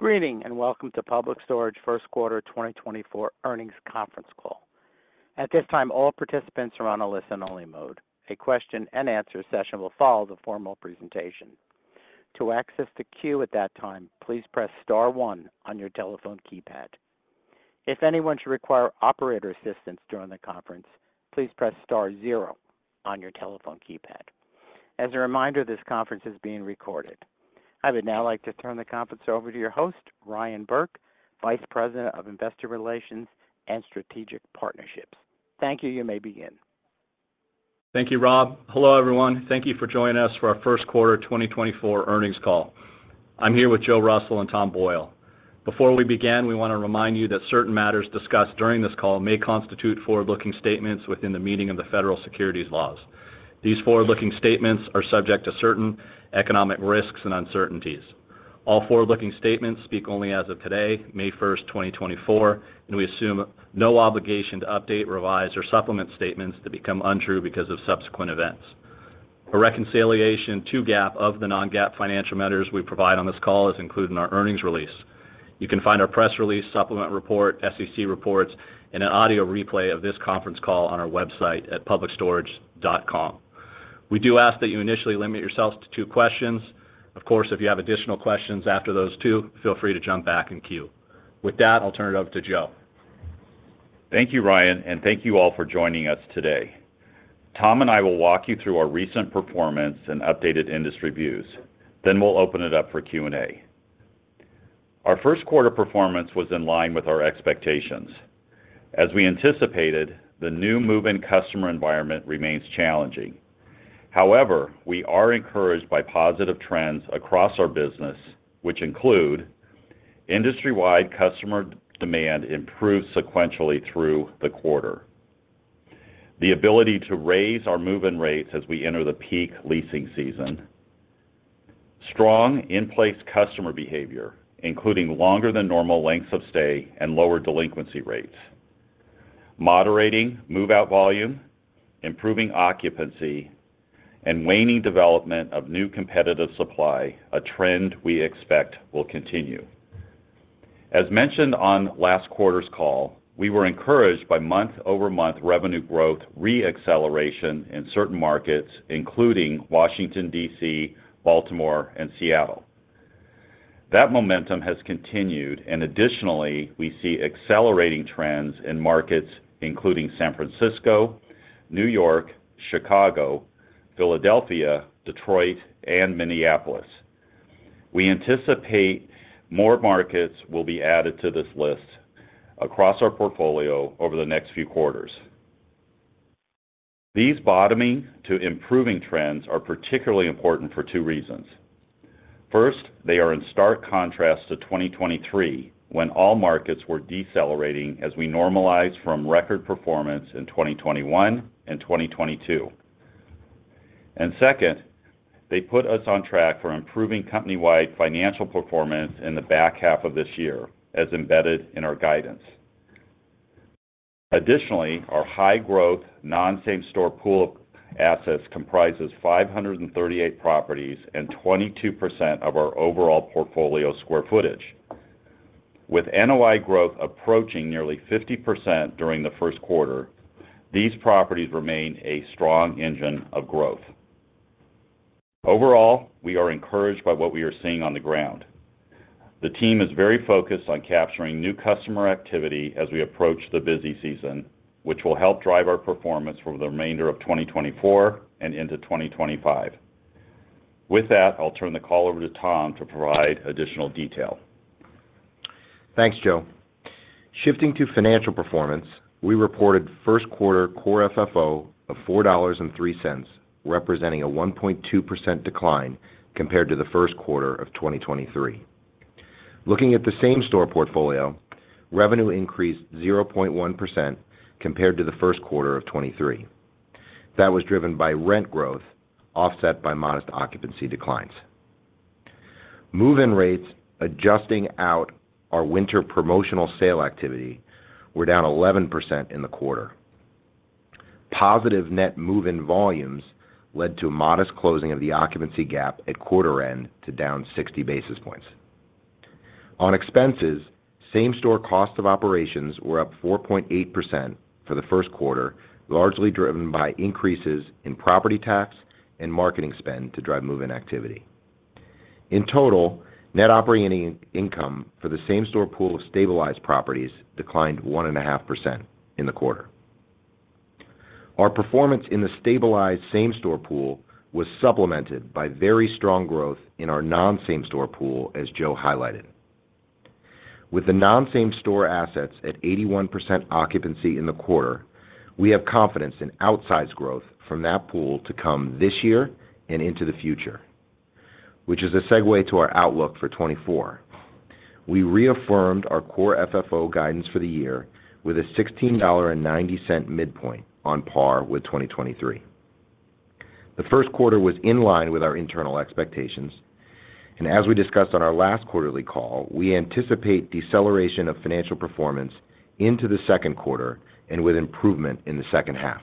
Greetings, and welcome to Public Storage First Quarter 2024 Earnings Conference Call. At this time, all participants are on a listen-only mode. A question and answer session will follow the formal presentation. To access the queue at that time, please press star one on your telephone keypad. If anyone should require operator assistance during the conference, please press star zero on your telephone keypad. As a reminder, this conference is being recorded. I would now like to turn the conference over to your host, Ryan Burke, Vice President of Investor Relations and Strategic Partnerships. Thank you. You may begin. Thank you, Rob. Hello, everyone. Thank you for joining us for our First Quarter 2024 Earnings Call. I'm here with Joe Russell and Tom Boyle. Before we begin, we wanna remind you that certain matters discussed during this call may constitute forward-looking statements within the meaning of the federal securities laws. These forward-looking statements are subject to certain economic risks and uncertainties. All forward-looking statements speak only as of today, May 1, 2024, and we assume no obligation to update, revise, or supplement statements that become untrue because of subsequent events. A reconciliation to GAAP of the non-GAAP financial measures we provide on this call is included in our earnings release. You can find our press release, supplement report, SEC reports, and an audio replay of this conference call on our website at publicstorage.com. We do ask that you initially limit yourselves to 2 questions. Of course, if you have additional questions after those two, feel free to jump back in queue. With that, I'll turn it over to Joe. Thank you, Ryan, and thank you all for joining us today. Tom and I will walk you through our recent performance and updated industry views, then we'll open it up for Q&A. Our first quarter performance was in line with our expectations. As we anticipated, the new move-in customer environment remains challenging. However, we are encouraged by positive trends across our business, which include industry-wide customer demand improved sequentially through the quarter, the ability to raise our move-in rates as we enter the peak leasing season, strong in-place customer behavior, including longer than normal lengths of stay and lower delinquency rates, moderating move-out volume, improving occupancy, and waning development of new competitive supply, a trend we expect will continue. As mentioned on last quarter's call, we were encouraged by month-over-month revenue growth re-acceleration in certain markets, including Washington, D.C., Baltimore, and Seattle. That momentum has continued, and additionally, we see accelerating trends in markets including San Francisco, New York, Chicago, Philadelphia, Detroit, and Minneapolis. We anticipate more markets will be added to this list across our portfolio over the next few quarters. These bottoming to improving trends are particularly important for two reasons. First, they are in stark contrast to 2023, when all markets were decelerating as we normalized from record performance in 2021 and 2022. And second, they put us on track for improving company-wide financial performance in the back half of this year, as embedded in our guidance. Additionally, our high-growth, non-same store pool of assets comprises 538 properties and 22% of our overall portfolio square footage. With NOI growth approaching nearly 50% during the first quarter, these properties remain a strong engine of growth. Overall, we are encouraged by what we are seeing on the ground. The team is very focused on capturing new customer activity as we approach the busy season, which will help drive our performance for the remainder of 2024 and into 2025. With that, I'll turn the call over to Tom to provide additional detail. Thanks, Joe. Shifting to financial performance, we reported first quarter Core FFO of $4.03, representing a 1.2% decline compared to the first quarter of 2023. Looking at the same-store portfolio, revenue increased 0.1% compared to the first quarter of 2023. That was driven by rent growth, offset by modest occupancy declines. Move-in rates, adjusting out our winter promotional sale activity, were down 11% in the quarter. Positive net move-in volumes led to a modest closing of the occupancy gap at quarter end to down 60 basis points. On expenses, same-store cost of operations were up 4.8% for the first quarter, largely driven by increases in property tax and marketing spend to drive move-in activity. In total, net operating income for the same-store pool of stabilized properties declined 1.5% in the quarter. Our performance in the stabilized same-store pool was supplemented by very strong growth in our non-same store pool, as Joe highlighted. With the non-same store assets at 81% occupancy in the quarter, we have confidence in outsized growth from that pool to come this year and into the future, which is a segue to our outlook for 2024. We reaffirmed our core FFO guidance for the year with a $16.90 midpoint on par with 2023. The first quarter was in line with our internal expectations, and as we discussed on our last quarterly call, we anticipate deceleration of financial performance into the second quarter and with improvement in the second half.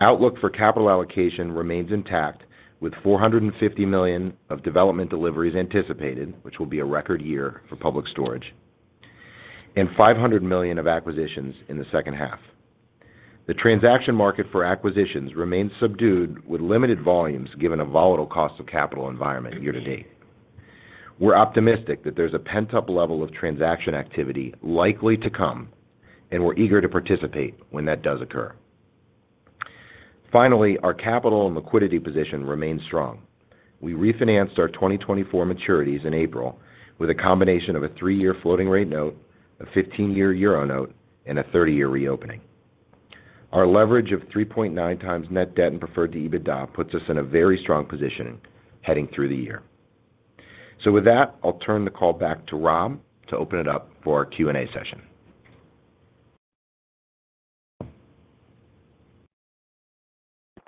Outlook for capital allocation remains intact, with $450 million of development deliveries anticipated, which will be a record year for Public Storage, and $500 million of acquisitions in the second half. The transaction market for acquisitions remains subdued, with limited volumes, given a volatile cost of capital environment year to date. We're optimistic that there's a pent-up level of transaction activity likely to come, and we're eager to participate when that does occur. Finally, our capital and liquidity position remains strong. We refinanced our 2024 maturities in April with a combination of a 3-year floating rate note, a 15-year Euro note, and a 30-year reopening. Our leverage of 3.9x net debt and preferred to EBITDA, puts us in a very strong position heading through the year. With that, I'll turn the call back to Rob to open it up for our Q&A session.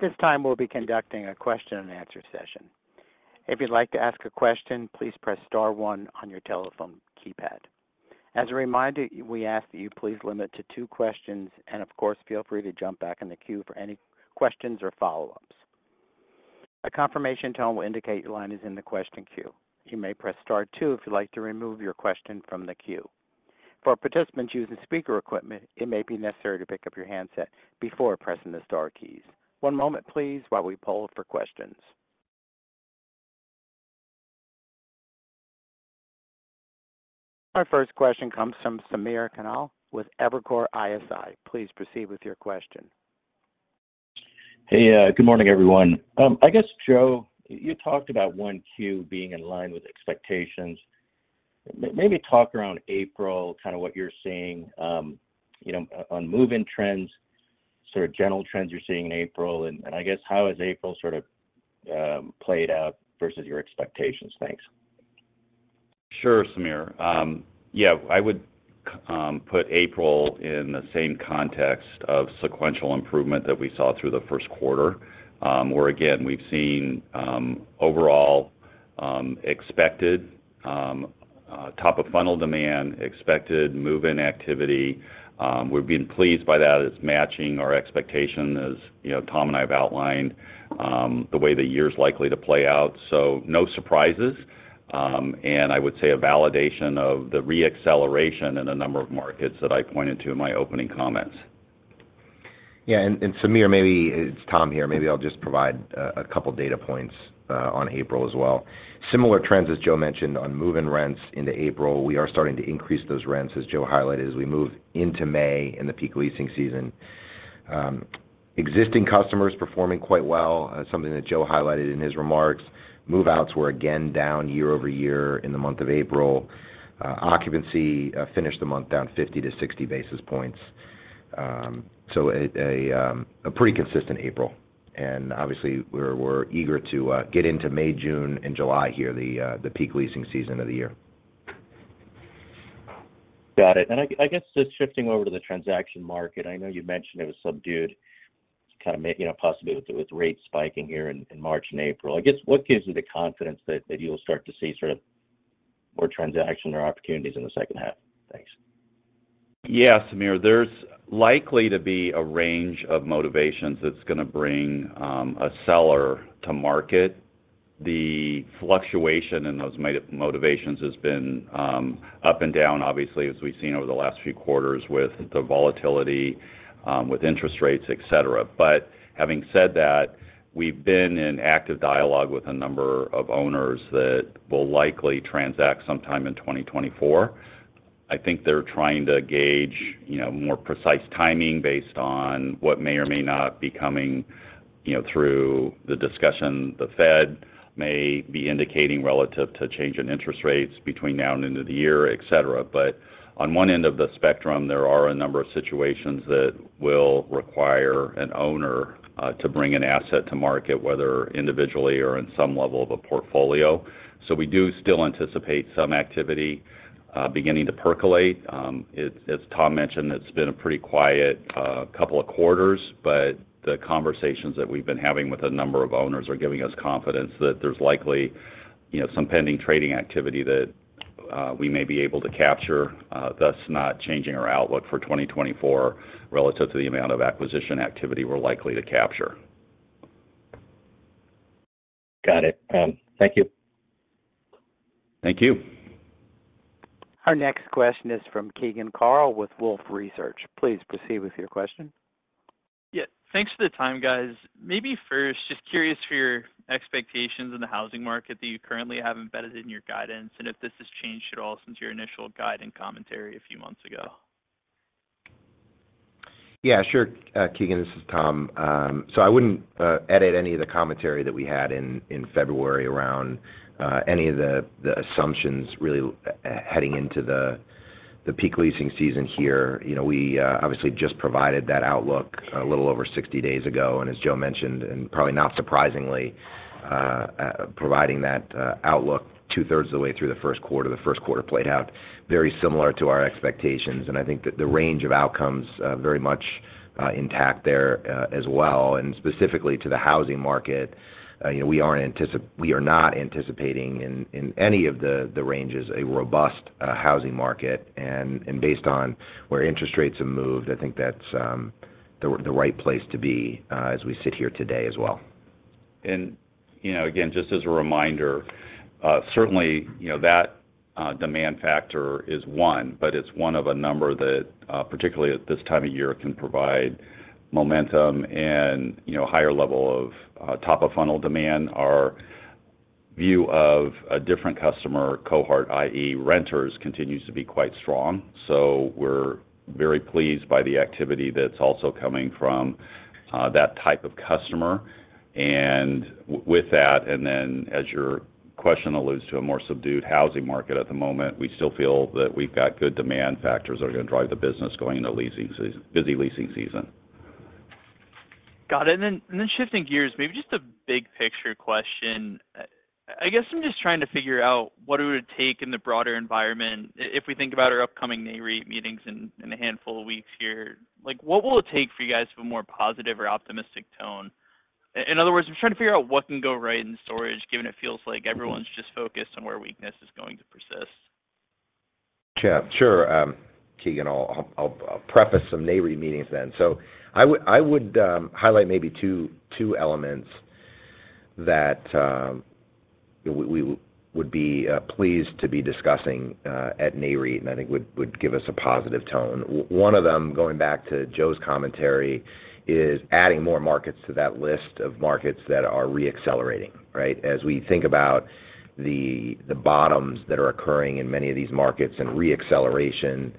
At this time, we'll be conducting a question-and-answer session. If you'd like to ask a question, please press star one on your telephone keypad. As a reminder, we ask that you please limit to two questions, and of course, feel free to jump back in the queue for any questions or follow-ups. A confirmation tone will indicate your line is in the question queue. You may press star two if you'd like to remove your question from the queue. For participants using speaker equipment, it may be necessary to pick up your handset before pressing the star keys. One moment please, while we poll for questions. Our first question comes from Samir Khanal with Evercore ISI. Please proceed with your question. Hey, good morning, everyone. I guess, Joe, you talked about 1Q being in line with expectations. Maybe talk around April, kind of what you're seeing, you know, on move-in trends, sort of general trends you're seeing in April, and, and I guess how has April sort of played out versus your expectations? Thanks. Sure, Samir. Yeah, I would put April in the same context of sequential improvement that we saw through the first quarter, where again, we've seen overall expected top of funnel demand, expected move-in activity. We've been pleased by that. It's matching our expectation, as you know, Tom and I have outlined the way the year is likely to play out, so no surprises. And I would say a validation of the re-acceleration in a number of markets that I pointed to in my opening comments. And Samir, It's Tom here. Maybe I'll just provide a couple of data points on April as well. Similar trends, as Joe mentioned, on move-in rents into April. We are starting to increase those rents, as Joe highlighted, as we move into May in the peak leasing season. Existing customers performing quite well, something that Joe highlighted in his remarks. Move-outs were again down year-over-year in the month of April. Occupancy finished the month down 50-60 basis points. So a pretty consistent April, and obviously, we're eager to get into May, June, and July here, the peak leasing season of the year. Got it. And I guess, just shifting over to the transaction market, I know you mentioned it was subdued, kind of, maybe, you know, possibly with the rates spiking here in March and April. I guess, what gives you the confidence that you'll start to see sort of more transaction or opportunities in the second half? Thanks. Yeah, Samir. There's likely to be a range of motivations that's going to bring a seller to market. The fluctuation in those motivations has been up and down, obviously, as we've seen over the last few quarters, with the volatility with interest rates, et cetera. But having said that, we've been in active dialogue with a number of owners that will likely transact sometime in 2024. I think they're trying to gauge, you know, more precise timing based on what may or may not be coming, you know, through the discussion. The Fed may be indicating relative to change in interest rates between now and end of the year, et cetera. But on one end of the spectrum, there are a number of situations that will require an owner to bring an asset to market, whether individually or in some level of a portfolio. So we do still anticipate some activity, beginning to percolate. As Tom mentioned, it's been a pretty quiet, couple of quarters, but the conversations that we've been having with a number of owners are giving us confidence that there's likely, you know, some pending trading activity that, we may be able to capture, thus not changing our outlook for 2024 relative to the amount of acquisition activity we're likely to capture. Got it. Thank you. Thank you. Our next question is from Keegan Carl with Wolfe Research. Please proceed with your question. Yeah, thanks for the time, guys. Maybe first, just curious for your expectations in the housing market that you currently have embedded in your guidance, and if this has changed at all since your initial guide and commentary a few months ago? Yeah, sure, Keegan, this is Tom. So I wouldn't edit any of the commentary that we had in February around any of the assumptions really, heading into the peak leasing season here. You know, we obviously just provided that outlook a little over 60 days ago, and as Joe mentioned, and probably not surprisingly, providing that outlook two-thirds of the way through the first quarter. The first quarter played out very similar to our expectations, and I think that the range of outcomes are very much intact there, as well. Specifically to the housing market, you know, we are not anticipating in any of the ranges a robust housing market, and based on where interest rates have moved, I think that's the right place to be as we sit here today as well. Just as a reminder, certainly, you know, that, demand factor is one, but it's one of a number that, particularly at this time of year, can provide momentum and, you know, higher level of, top-of-funnel demand. Our view of a different customer cohort, i.e., renters, continues to be quite strong. So we're very pleased by the activity that's also coming from, that type of customer. And with that, and then as your question alludes to a more subdued housing market at the moment, we still feel that we've got good demand factors that are gonna drive the business going into leasing season, busy leasing season. Got it. And then shifting gears, maybe just a big picture question. I guess I'm just trying to figure out what it would take in the broader environment, if we think about our upcoming NAREIT meetings in a handful of weeks here, like, what will it take for you guys to have a more positive or optimistic tone? In other words, I'm trying to figure out what can go right in storage, given it feels like everyone's just focused on where weakness is going to persist. Yeah, sure, Keegan, I'll preface some NAREIT meetings then. So I would highlight maybe two elements that we would be pleased to be discussing at NAREIT, and I think would give us a positive tone. One of them, going back to Joe's commentary, is adding more markets to that list of markets that are reaccelerating, right? As we think about the bottoms that are occurring in many of these markets and reacceleration,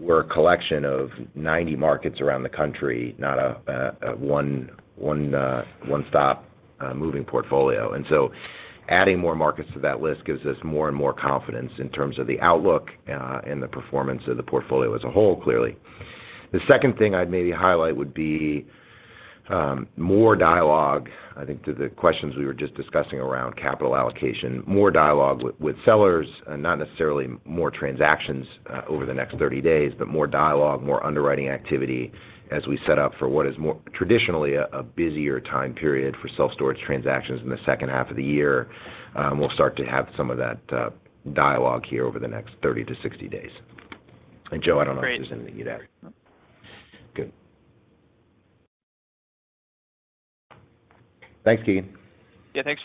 we're a collection of 90 markets around the country, not a one-stop moving portfolio. And so adding more markets to that list gives us more and more confidence in terms of the outlook and the performance of the portfolio as a whole, clearly. The second thing I'd maybe highlight would be more dialogue, I think, to the questions we were just discussing around capital allocation, more dialogue with, with sellers, and not necessarily more transactions over the next 30 days, but more dialogue, more underwriting activity, as we set up for what is more traditionally a busier time period for self-storage transactions in the second half of the year. We'll start to have some of that dialogue here over the next 30-60 days. And Joe, I don't know if there's anything to add. Nope. Good. Thanks, Keegan. Yeah, thanks.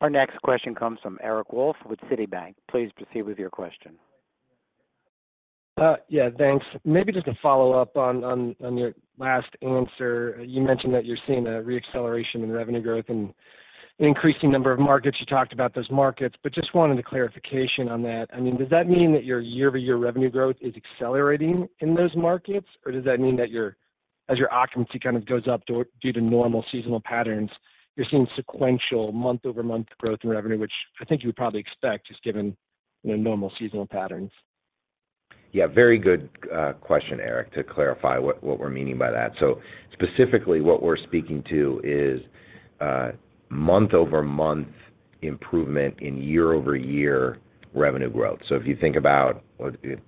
Our next question comes from Eric Wolfe with Citibank. Please proceed with your question. Yeah, thanks. Maybe just to follow up on your last answer. You mentioned that you're seeing a reacceleration in revenue growth and increasing number of markets. You talked about those markets, but just wanted a clarification on that. I mean, does that mean that your year-over-year revenue growth is accelerating in those markets? Or does that mean that, as your occupancy kind of goes up due to normal seasonal patterns, you're seeing sequential month-over-month growth in revenue, which I think you would probably expect, just given, you know, normal seasonal patterns? Very good question, Eric, to clarify what we're meaning by that. So specifically, what we're speaking to is month-over-month improvement in year-over-year revenue growth. So if you think about,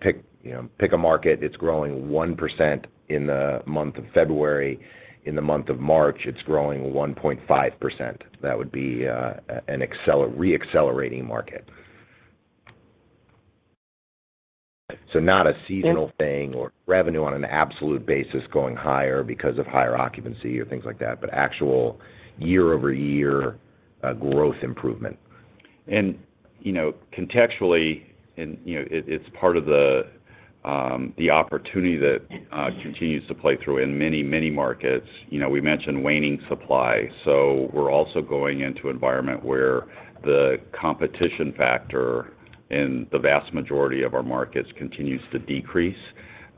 pick, you know, pick a market that's growing 1% in the month of February, in the month of March, it's growing 1.5%. That would be a reaccelerating market. So not a seasonal thing or revenue on an absolute basis going higher because of higher occupancy or things like that, but actual year-over-year growth improvement. Contextually, it's part of the opportunity that continues to play through in many, many markets. You know, we mentioned waning supply, so we're also going into environment where the competition factor in the vast majority of our markets continues to decrease.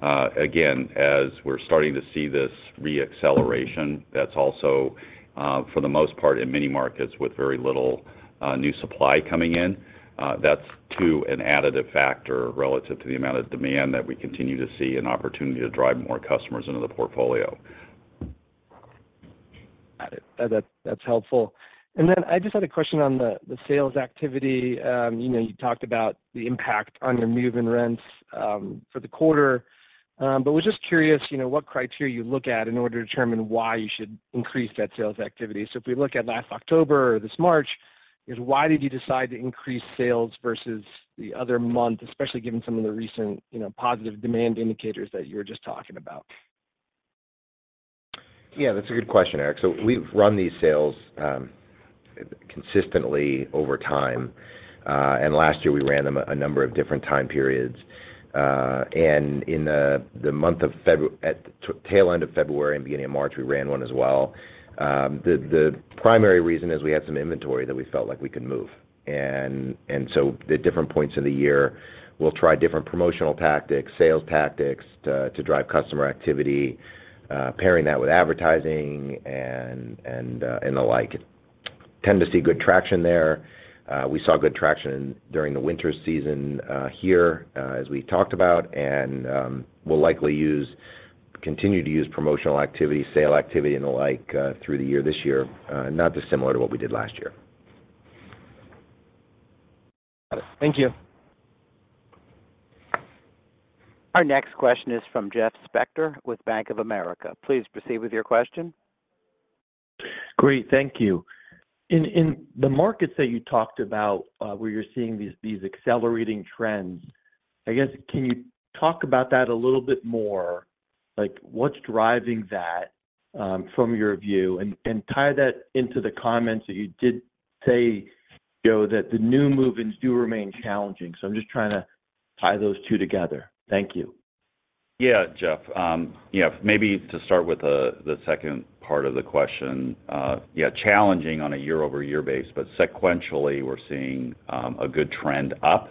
Again, as we're starting to see this reacceleration, that's also for the most part, in many markets with very little new supply coming in, that's too an additive factor relative to the amount of demand that we continue to see, an opportunity to drive more customers into the portfolio. Got it. That, that's helpful. And then I just had a question on the sales activity. You know, you talked about the impact on your move-in rents for the quarter, but was just curious, you know, what criteria you look at in order to determine why you should increase that sales activity. So if we look at last October or this March, is why did you decide to increase sales versus the other month, especially given some of the recent, you know, positive demand indicators that you were just talking about? Yeah, that's a good question, Eric. So we've run these sales consistently over time, and last year we ran them a number of different time periods. And in the month of February, at the tail end of February and beginning of March, we ran one as well. The primary reason is we had some inventory that we felt like we could move. And so at different points of the year, we'll try different promotional tactics, sales tactics, to drive customer activity, pairing that with advertising and the like. Tend to see good traction there. We saw good traction during the winter season here, as we talked about, and we'll likely continue to use promotional activity, sale activity, and the like, through the year this year, not dissimilar to what we did last year. Got it. Thank you. Our next question is from Jeff Spector with Bank of America. Please proceed with your question. Great. Thank you. In the markets that you talked about, where you're seeing these accelerating trends, I guess, can you talk about that a little bit more? Like, what's driving that, from your view? And tie that into the comments that you did say, Joe, that the new move-ins do remain challenging. So I'm just trying to tie those two together. Thank you. Yeah, Jeff. Yeah, maybe to start with the second part of the question. Yeah, challenging on a year-over-year basis, but sequentially, we're seeing a good trend up.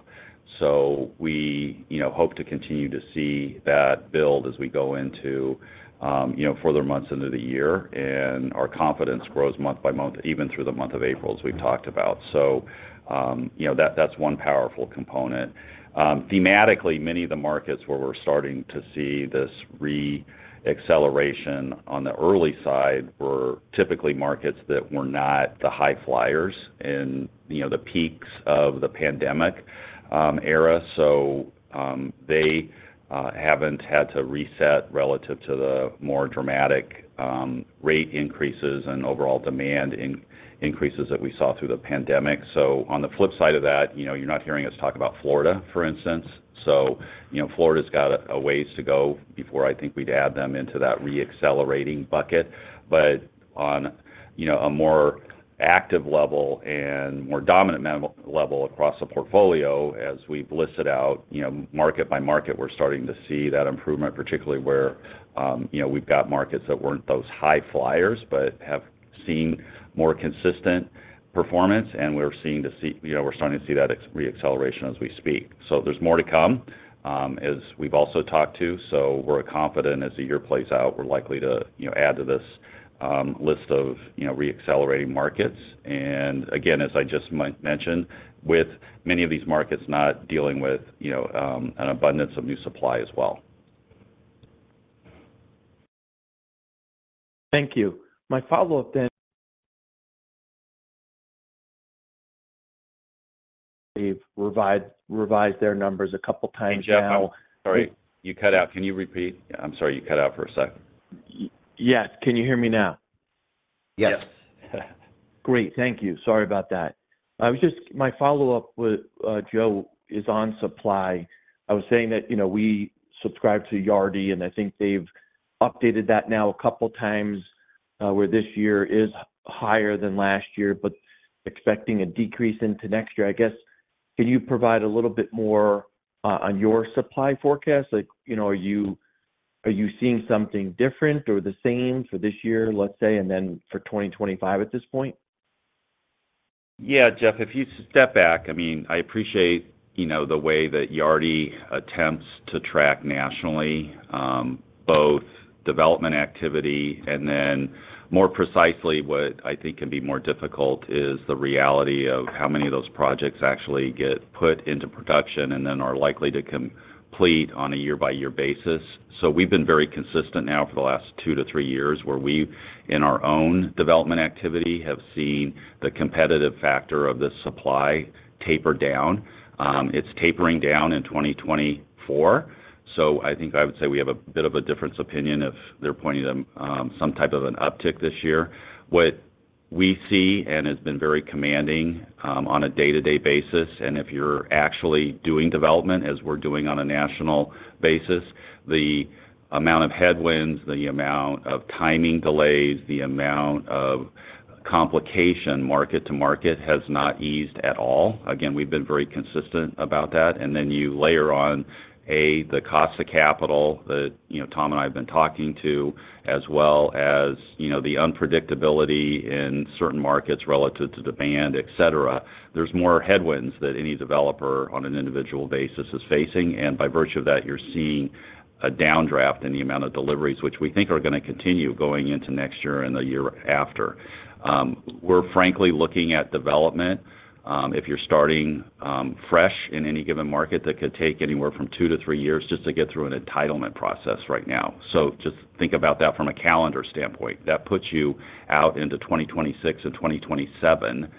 So we, you know, hope to continue to see that build as we go into, you know, further months into the year, and our confidence grows month by month, even through the month of April, as we've talked about. So, you know, that's one powerful component. Thematically, many of the markets where we're starting to see this re-acceleration on the early side were typically markets that were not the high flyers in, you know, the peaks of the pandemic era. So, they haven't had to reset relative to the more dramatic rate increases and overall demand increases that we saw through the pandemic. So on the flip side of that, you know, you're not hearing us talk about Florida, for instance. So, you know, Florida's got a ways to go before I think we'd add them into that re-accelerating bucket. But on, you know, a more active level and more dominant level across the portfolio, as we've listed out, you know, market by market, we're starting to see that improvement, particularly where, you know, we've got markets that weren't those high flyers, but have seen more consistent performance, and we're starting to see that re-acceleration as we speak. So there's more to come, as we've also talked to, so we're confident as the year plays out, we're likely to, you know, add to this list of re-accelerating markets. And again, as I just mentioned, with many of these markets not dealing with, you know, an abundance of new supply as well. Thank you. They've revised their numbers a couple times now. Hey, Jeff, sorry, you cut out. Can you repeat? I'm sorry, you cut out for a second. Yes. Can you hear me now? Yes. Great. Thank you. Sorry about that. I was just my follow-up with Joe is on supply. I was saying that, you know, we subscribe to Yardi, and I think they've updated that now a couple times, where this year is higher than last year, but expecting a decrease into next year. I guess, can you provide a little bit more on your supply forecast? Like, you know, are you seeing something different or the same for this year, let's say, and then for 2025 at this point? Jeff, if you step back, I mean, I appreciate, you know, the way that Yardi attempts to track nationally, both development activity, and then more precisely, what I think can be more difficult is the reality of how many of those projects actually get put into production, and then are likely to complete on a year-by-year basis. So we've been very consistent now for the last 2 to 3 years, where we, in our own development activity, have seen the competitive factor of this supply taper down. It's tapering down in 2024, so I think I would say we have a bit of a difference opinion if they're pointing to some type of an uptick this year. What we see, and has been very commanding, on a day-to-day basis, and if you're actually doing development as we're doing on a national basis, the amount of headwinds, the amount of timing delays, the amount of complication, market to market, has not eased at all. Again, we've been very consistent about that. And then you layer on, A, the cost of capital that, you know, Tom and I have been talking to, as well as, you know, the unpredictability in certain markets relative to demand, et cetera. There's more headwinds that any developer on an individual basis is facing, and by virtue of that, you're seeing a downdraft in the amount of deliveries, which we think are gonna continue going into next year and the year after. We're frankly looking at development. If you're starting fresh in any given market, that could take anywhere from 2-3 years just to get through an entitlement process right now. So just think about that from a calendar standpoint. That puts you out into 2026 and 2027,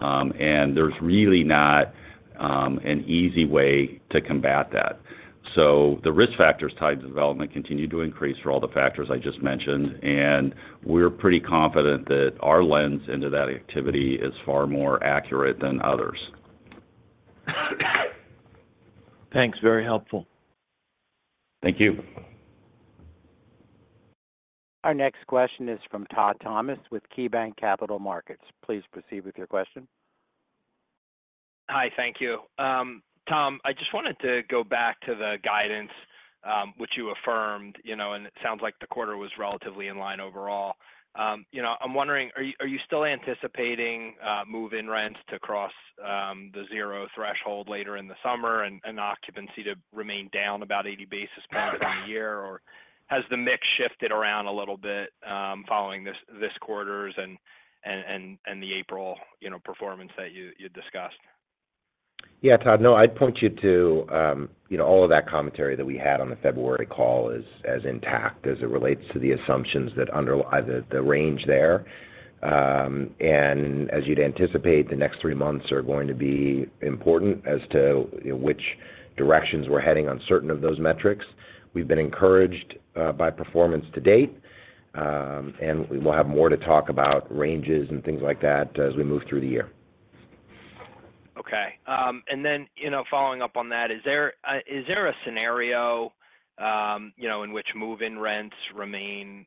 and there's really not an easy way to combat that. So the risk factors tied to development continue to increase for all the factors I just mentioned, and we're pretty confident that our lens into that activity is far more accurate than others. Thanks. Very helpful. Thank you. Our next question is from Todd Thomas with KeyBank Capital Markets. Please proceed with your question. Hi, thank you. Tom, I just wanted to go back to the guidance, which you affirmed, you know, and it sounds like the quarter was relatively in line overall. You know, I'm wondering: Are you, are you still anticipating move-in rents to cross the zero threshold later in the summer and occupancy to remain down about 80 basis points in a year? Or has the mix shifted around a little bit following this quarter's and the April, you know, performance that you discussed? Yeah, Todd. No, I'd point you to, you know, all of that commentary that we had on the February call is as intact as it relates to the assumptions that underlie the range there. And as you'd anticipate, the next three months are going to be important as to which directions we're heading on certain of those metrics. We've been encouraged by performance to date, and we will have more to talk about ranges and things like that as we move through the year. Following up on that, is there a scenario, you know, in which move-in rents remain,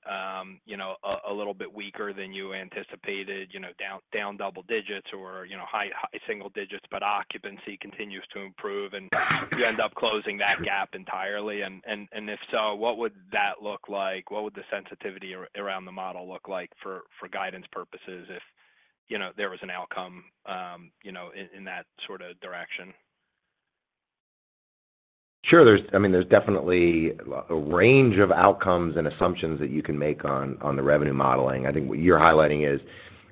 you know, a little bit weaker than you anticipated, you know, down double digits or, you know, high single digits, but occupancy continues to improve and you end up closing that gap entirely? And if so, what would that look like? What would the sensitivity around the model look like for guidance purposes if, you know, there was an outcome, you know, in that sort of direction? Sure. I mean, there's definitely a range of outcomes and assumptions that you can make on the revenue modeling. I think what you're highlighting is,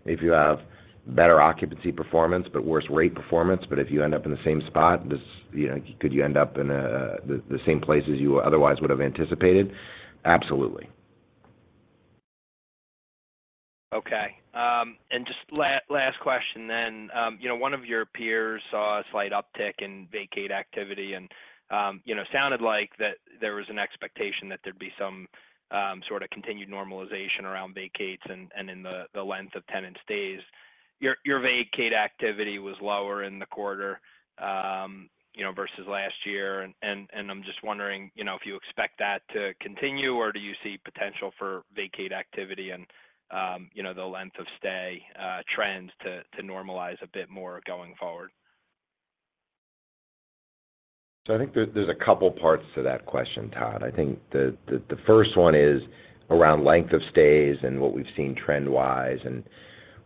if you have better occupancy performance, but worse rate performance, but if you end up in the same spot. Could you end up in the same place as you otherwise would have anticipated? Absolutely. Okay. And just last question then. You know, one of your peers saw a slight uptick in vacate activity and, you know, sounded like that there was an expectation that there'd be some sort of continued normalization around vacates and in the length of tenant stays. Your vacate activity was lower in the quarter, you know, versus last year. And I'm just wondering, you know, if you expect that to continue, or do you see potential for vacate activity and, you know, the length of stay trends to normalize a bit more going forward? So I think there, there's a couple parts to that question, Todd. I think the first one is around length of stays and what we've seen trend-wise, and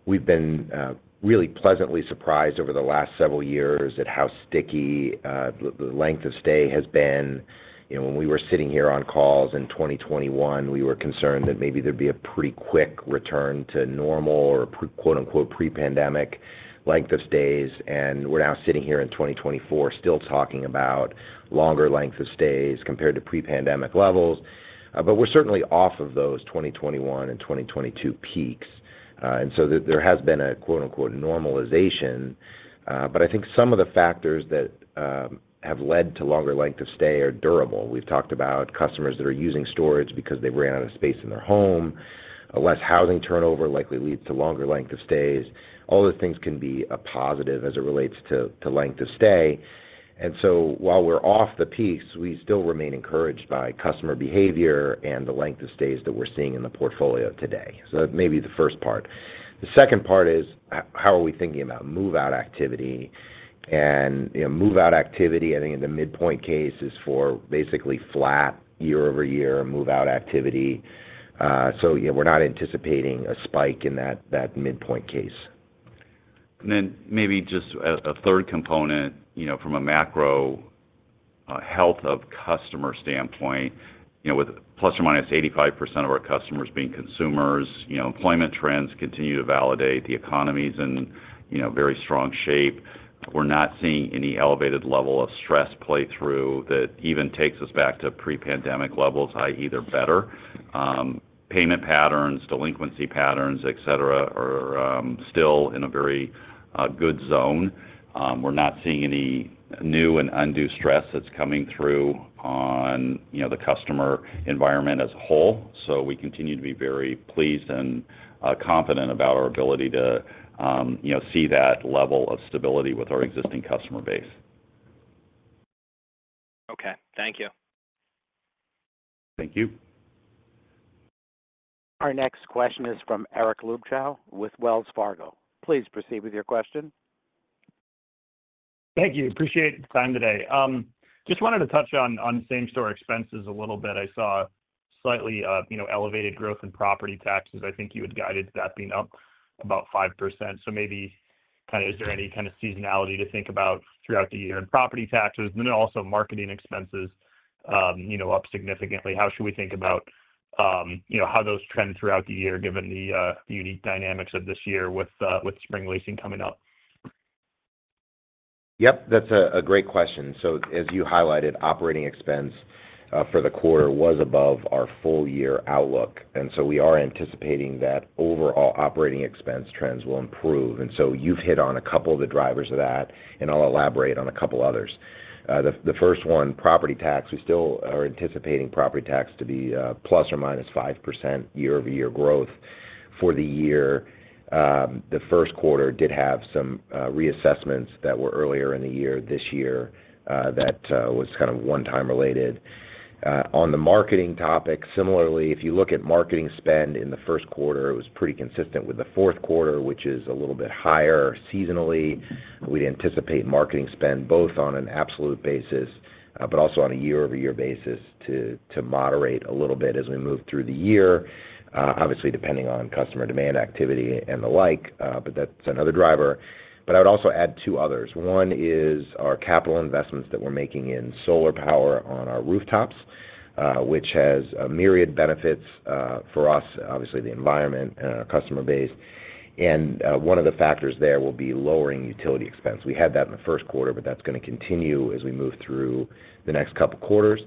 we've been really pleasantly surprised over the last several years at how sticky the length of stay has been. You know, when we were sitting here on calls in 2021, we were concerned that maybe there'd be a pretty quick return to normal or quote-unquote, "pre-pandemic" length of stays. And we're now sitting here in 2024, still talking about longer length of stays compared to pre-pandemic levels. But we're certainly off of those 2021 and 2022 peaks. And so there has been a quote-unquote, "normalization," but I think some of the factors that have led to longer length of stay are durable. We've talked about customers that are using storage because they ran out of space in their home. A less housing turnover likely leads to longer length of stays. All those things can be a positive as it relates to length of stay. And so while we're off the peaks, we still remain encouraged by customer behavior and the length of stays that we're seeing in the portfolio today. So that may be the first part. The second part is, how are we thinking about move-out activity? And, you know, move-out activity, I think in the midpoint case, is basically flat year-over-year move-out activity. So, yeah, we're not anticipating a spike in that midpoint case. And then maybe just a third component, you know, from a macro health of customer standpoint, you know, with ±85% of our customers being consumers, you know, employment trends continue to validate the economy's in, you know, very strong shape. We're not seeing any elevated level of stress play through that even takes us back to pre-pandemic levels, i.e., they're better. Payment patterns, delinquency patterns, et cetera, are still in a very good zone. We're not seeing any new and undue stress that's coming through on, you know, the customer environment as a whole. So we continue to be very pleased and confident about our ability to, you know, see that level of stability with our existing customer base. Okay. Thank you. Thank you. Our next question is from Eric Luebchow, with Wells Fargo. Please proceed with your question. Thank you. Appreciate the time today. Just wanted to touch on, on same-store expenses a little bit. I saw slightly, you know, elevated growth in property taxes. I think you had guided that being up about 5%. So maybe, kinda, is there any kind of seasonality to think about throughout the year in property taxes? And then also marketing expenses, you know, up significantly. How should we think about, you know, how those trend throughout the year, given the, the unique dynamics of this year with, with spring leasing coming up? Yep, that's a great question. So as you highlighted, operating expense for the quarter was above our full year outlook, and so we are anticipating that overall operating expense trends will improve. And so you've hit on a couple of the drivers of that, and I'll elaborate on a couple others. The first one, property tax. We still are anticipating property tax to be ±5% year-over-year growth for the year. The first quarter did have some reassessments that were earlier in the year, this year, that was kind of one-time related. On the marketing topic, similarly, if you look at marketing spend in the first quarter, it was pretty consistent with the fourth quarter, which is a little bit higher seasonally. We'd anticipate marketing spend, both on an absolute basis, but also on a year-over-year basis, to moderate a little bit as we move through the year. Obviously, depending on customer demand, activity, and the like, but that's another driver. But I would also add two others. One is our capital investments that we're making in solar power on our rooftops, which has myriad benefits for us, obviously, the environment and our customer base. And one of the factors there will be lowering utility expense. We had that in the first quarter, but that's gonna continue as we move through the next couple quarters.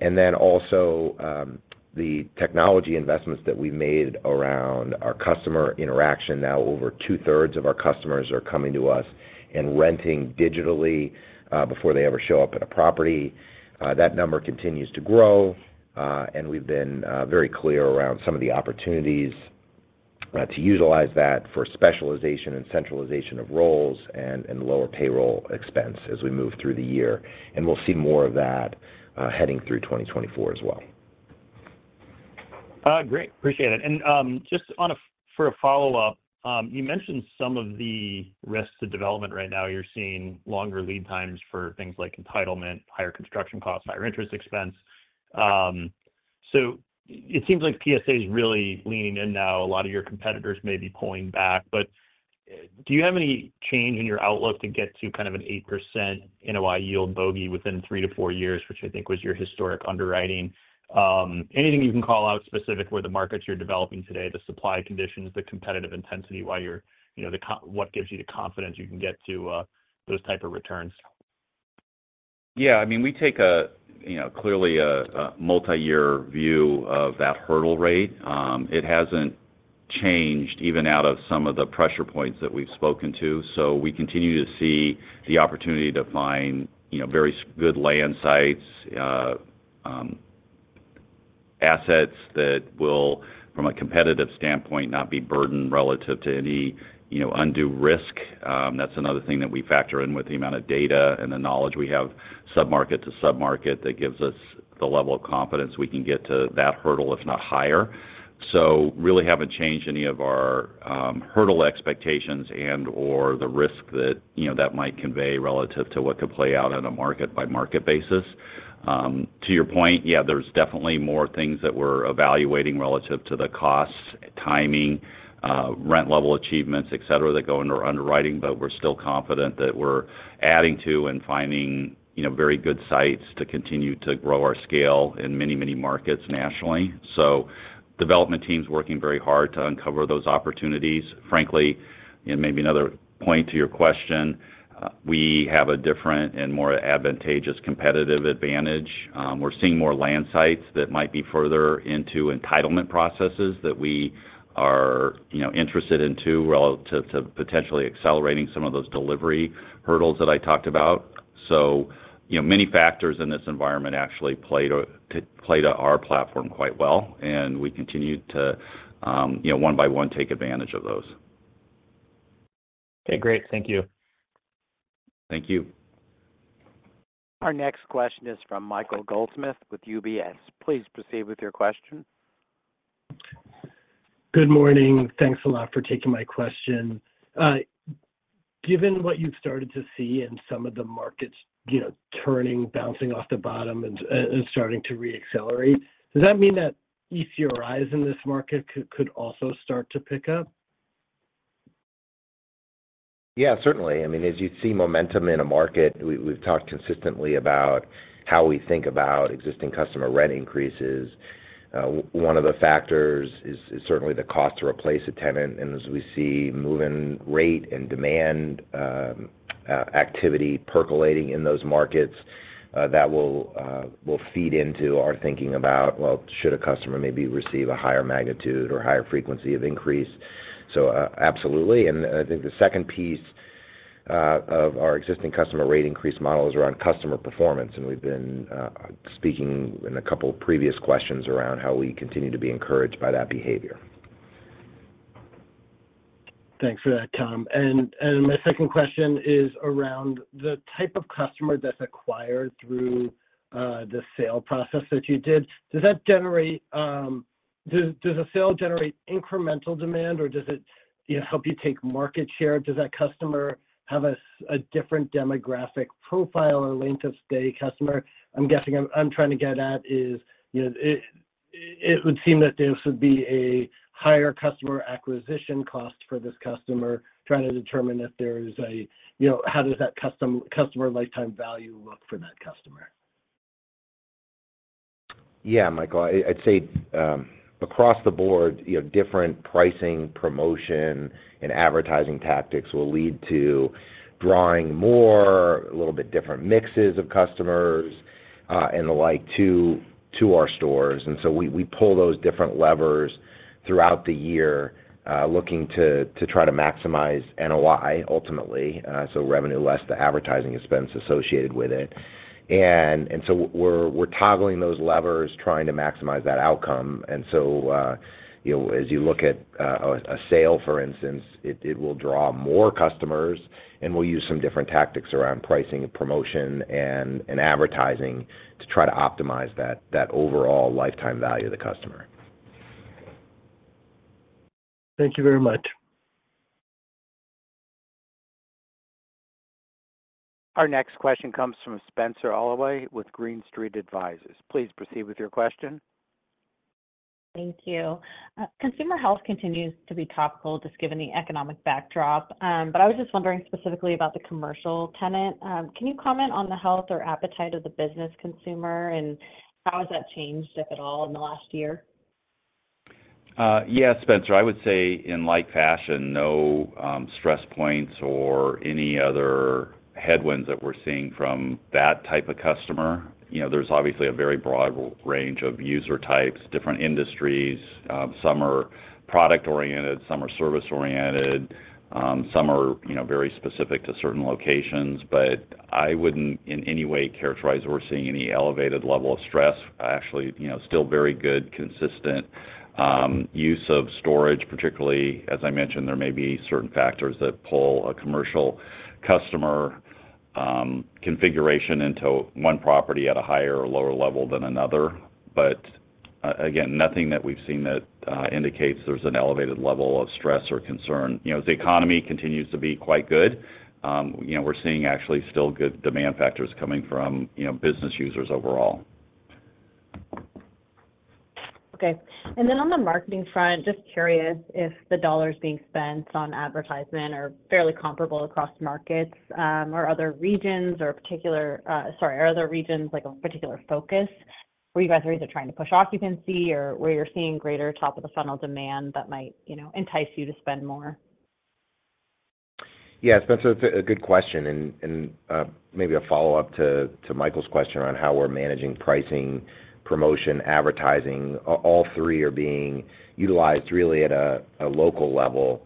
And then also, the technology investments that we made around our customer interaction. Now, over two-thirds of our customers are coming to us and renting digitally, before they ever show up at a property. That number continues to grow, and we've been very clear around some of the opportunities-to utilize that for specialization and centralization of roles and lower payroll expense as we move through the year. We'll see more of that heading through 2024 as well. Great. Appreciate it. Just on a follow-up, you mentioned some of the risks to development right now. You're seeing longer lead times for things like entitlement, higher construction costs, higher interest expense. So it seems like PSA is really leaning in now, a lot of your competitors may be pulling back, but do you have any change in your outlook to get to kind of an 8% NOI yield bogey within 3-4 years, which I think was your historic underwriting? Anything you can call out specific where the markets you're developing today, the supply conditions, the competitive intensity, why you're, you know, what gives you the confidence you can get to those type of returns? Yeah, I mean, we take a, you know, clearly a multiyear view of that hurdle rate. It hasn't changed even out of some of the pressure points that we've spoken to. So we continue to see the opportunity to find, you know, very good land sites, assets that will, from a competitive standpoint, not be burdened relative to any, you know, undue risk. That's another thing that we factor in with the amount of data and the knowledge we have, submarket to submarket, that gives us the level of confidence we can get to that hurdle, if not higher. So really haven't changed any of our hurdle expectations and/or the risk that, you know, that might convey relative to what could play out on a market-by-market basis. To your point, yeah, there's definitely more things that we're evaluating relative to the costs, timing, rent level achievements, et cetera, that go into our underwriting, but we're still confident that we're adding to and finding, you know, very good sites to continue to grow our scale in many, many markets nationally. So development team's working very hard to uncover those opportunities. Frankly, and maybe another point to your question, we have a different and more advantageous competitive advantage. We're seeing more land sites that might be further into entitlement processes that we are, you know, interested in too, relative to potentially accelerating some of those delivery hurdles that I talked about. So, you know, many factors in this environment actually play to our platform quite well, and we continue to, you know, one by one, take advantage of those. Okay, great. Thank you. Thank you. Our next question is from Michael Goldsmith with UBS. Please proceed with your question. Good morning. Thanks a lot for taking my question. Given what you've started to see in some of the markets, you know, turning, bouncing off the bottom and starting to reaccelerate, does that mean that ECRI in this market could also start to pick up? Yeah, certainly. I mean, as you see momentum in a market, we've talked consistently about how we think about existing customer rent increases. One of the factors is certainly the cost to replace a tenant, and as we see move-in rate and demand, activity percolating in those markets, that will feed into our thinking about, well, should a customer maybe receive a higher magnitude or higher frequency of increase? So, absolutely. And I think the second piece of our existing customer rate increase model is around customer performance, and we've been speaking in a couple of previous questions around how we continue to be encouraged by that behavior. Thanks for that, Tom. My second question is around the type of customer that's acquired through the sale process that you did. Does that generate? Does a sale generate incremental demand, or does it, you know, help you take market share? Does that customer have a different demographic profile or length of stay customer? I'm trying to get at is, you know, it would seem that this would be a higher customer acquisition cost for this customer, trying to determine if there's a, you know, how does that customer lifetime value look for that customer? Yeah, Michael, I'd say across the board, you know, different pricing, promotion, and advertising tactics will lead to drawing more, a little bit different mixes of customers, and the like, to our stores. And so we pull those different levers throughout the year, looking to try to maximize NOI, ultimately, so revenue less the advertising expense associated with it. And so we're toggling those levers, trying to maximize that outcome. And so, you know, as you look at a sale, for instance, it will draw more customers, and we'll use some different tactics around pricing and promotion and advertising to try to optimize that overall lifetime value of the customer. Thank you very much. Our next question comes from Spenser Allaway with Green Street. Please proceed with your question. Thank you. Consumer health continues to be topical, just given the economic backdrop, but I was just wondering specifically about the commercial tenant. Can you comment on the health or appetite of the business consumer, and how has that changed, if at all, in the last year? Yeah, Spenser, I would say in like fashion, no stress points or any other headwinds that we're seeing from that type of customer. You know, there's obviously a very broad range of user types, different industries, some are product-oriented, some are service-oriented, some are, you know, very specific to certain locations, but I wouldn't, in any way, characterize we're seeing any elevated level of stress. Actually, you know, still very good, consistent use of storage, particularly, as I mentioned, there may be certain factors that pull a commercial customer configuration into one property at a higher or lower level than another. But, again, nothing that we've seen that indicates there's an elevated level of stress or concern. You know, as the economy continues to be quite good, you know, we're seeing actually still good demand factors coming from, you know, business users overall. Okay. And then on the marketing front, just curious if the dollars being spent on advertisement are fairly comparable across markets, or other regions, like, a particular focus, where you guys are either trying to push occupancy or where you're seeing greater top-of-the-funnel demand that might, you know, entice you to spend more? Yeah, Spenser, it's a good question, and maybe a follow-up to Michael's question around how we're managing pricing, promotion, advertising. All three are being utilized really at a local level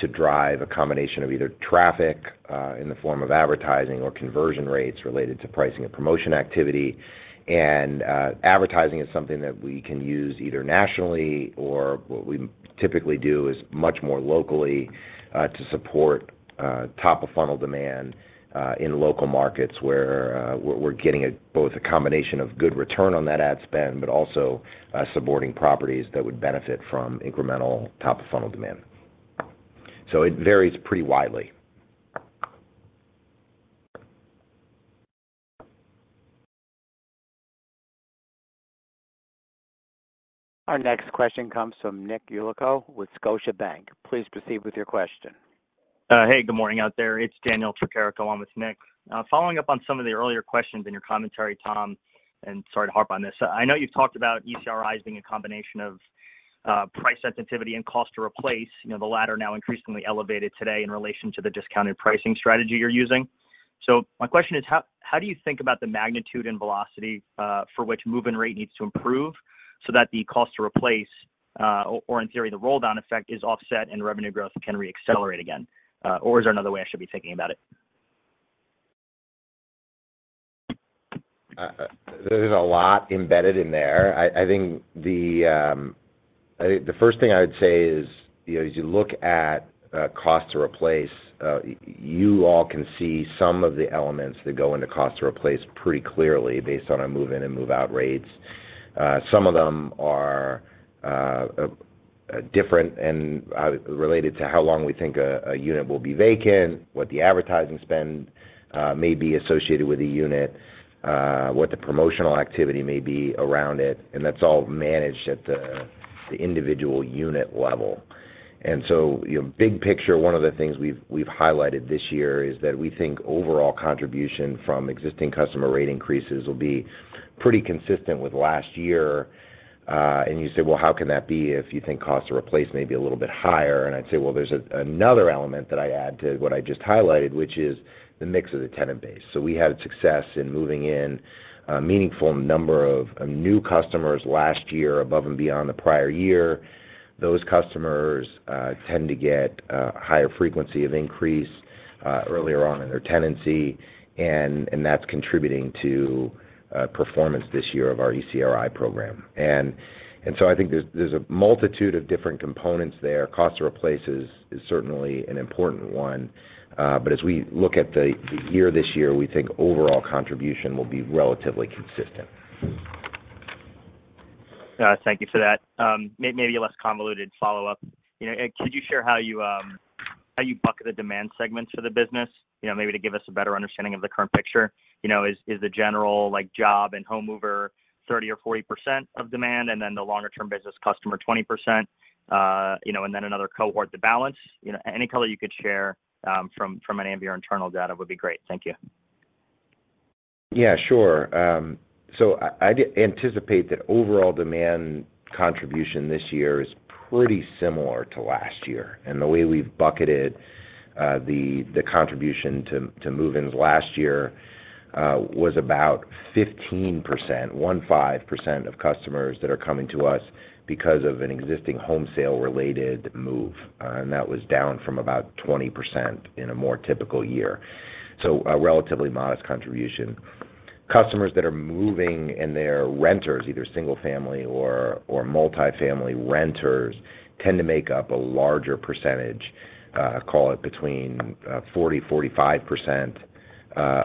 to drive a combination of either traffic in the form of advertising, or conversion rates related to pricing and promotion activity. And advertising is something that we can use either nationally or what we typically do is much more locally to support top-of-funnel demand in local markets, where we're getting both a combination of good return on that ad spend, but also supporting properties that would benefit from incremental top-of-funnel demand. So it varies pretty widely. Our next question comes from Nick Yulico with Scotiabank. Please proceed with your question. Hey, good morning out there. It's Daniel Tricarico, along with Nick. Following up on some of the earlier questions in your commentary, Tom, and sorry to harp on this. I know you've talked about ECRIs being a combination of price sensitivity and cost to replace, you know, the latter now increasingly elevated today in relation to the discounted pricing strategy you're using. So my question is: How do you think about the magnitude and velocity for which move-in rate needs to improve, so that the cost to replace, or in theory, the roll-down effect, is offset and revenue growth can reaccelerate again? Or is there another way I should be thinking about it? There's a lot embedded in there. I think the first thing I would say is, you know, as you look at cost to replace, you all can see some of the elements that go into cost to replace pretty clearly based on our move-in and move-out rates. Some of them are different and related to how long we think a unit will be vacant, what the advertising spend may be associated with a unit, what the promotional activity may be around it, and that's all managed at the individual unit level. And so, you know, big picture, one of the things we've highlighted this year is that we think overall contribution from existing customer rate increases will be pretty consistent with last year. And you say, "Well, how can that be if you think costs to replace may be a little bit higher?" And I'd say, well, there's another element that I add to what I just highlighted, which is the mix of the tenant base. So we had success in moving in a meaningful number of new customers last year above and beyond the prior year. Those customers tend to get higher frequency of increase earlier on in their tenancy, and that's contributing to performance this year of our ECRI program. And so I think there's a multitude of different components there. Cost to replace is certainly an important one, but as we look at the year this year, we think overall contribution will be relatively consistent. Thank you for that. Maybe a less convoluted follow-up. You know, could you share how you bucket the demand segments for the business? You know, maybe to give us a better understanding of the current picture. You know, is the general, like, job and home mover 30 or 40% of demand, and then the longer-term business customer 20%, you know, and then another cohort, the balance? You know, any color you could share from any of your internal data would be great. Thank you. Yeah, sure. So I'd anticipate that overall demand contribution this year is pretty similar to last year. And the way we've bucketed the contribution to move-ins last year was about 15%, 15% of customers that are coming to us because of an existing home sale-related move, and that was down from about 20% in a more typical year. So a relatively modest contribution. Customers that are moving and they're renters, either single-family or multifamily renters, tend to make up a larger percentage. I call it between 40%-45%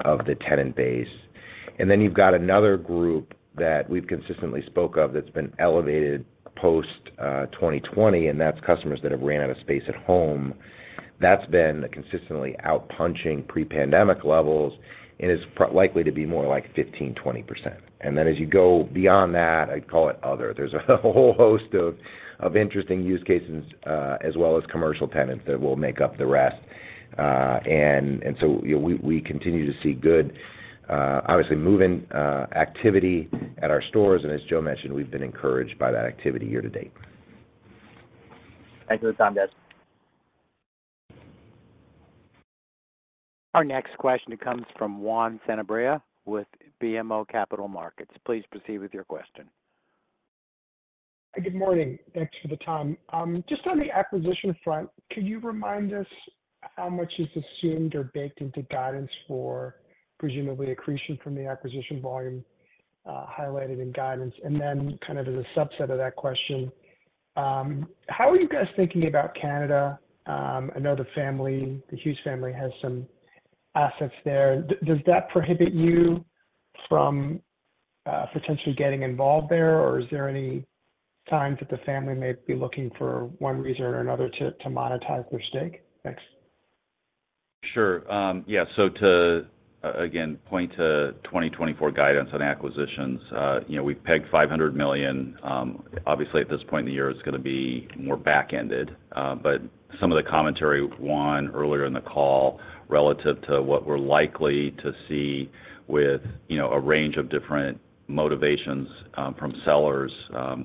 of the tenant base. And then you've got another group that we've consistently spoke of, that's been elevated post 2020, and that's customers that have ran out of space at home. That's been consistently outpunching pre-pandemic levels and is pro- likely to be more like 15%-20%. And then, as you go beyond that, I'd call it other. There's a whole host of, of interesting use cases, as well as commercial tenants that will make up the rest. And so, you know, we, we continue to see good, obviously, move-in, activity at our stores. And as Joe mentioned, we've been encouraged by that activity year to date. Thank you, Tom, guys. Our next question comes from Juan Sanabria with BMO Capital Markets. Please proceed with your question. Good morning. Thanks for the time. Just on the acquisition front, could you remind us how much is assumed or baked into guidance for presumably accretion from the acquisition volume highlighted in guidance? And then, kind of as a subset of that question, how are you guys thinking about Canada? I know the family, the Hughes family, has some-assets there, does that prohibit you from potentially getting involved there? Or is there any time that the family may be looking for one reason or another to monetize their stake? Thanks. Sure. Yeah, so to, again, point to 2024 guidance on acquisitions, you know, we've pegged $500 million. Obviously, at this point in the year, it's gonna be more back-ended. But some of the commentary, one, earlier in the call, relative to what we're likely to see with, you know, a range of different motivations, from sellers,